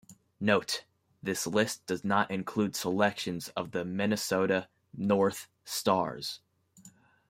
Note: This list does not include selections of the Minnesota North Stars.